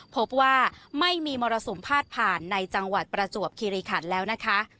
พบว่าไม่มีมรสุมพาดผ่านในจังหวัดประจวบคิริขันแล้วนะคะ